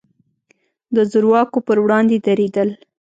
د زور واکو پر وړاندې درېدل.